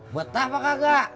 betah apa kagak